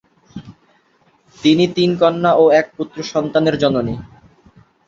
তিনি তিন কন্যা ও এক পুত্র সন্তানের জননী।